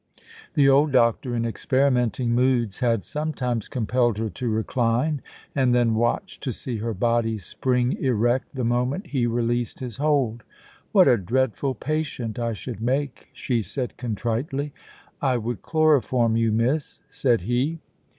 The old doctor, in experimenting moods, had sometimes compelled her to recline, and then watched to see her body spring erect the moment he released his hold. "What a dreadful patient I should make!" she said contritely. "I would chloroform you, miss," said he.